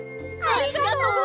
ありがとう！